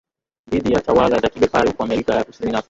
Dhidi ya tawala za kibepari huko Amerika ya Kusini na Afrika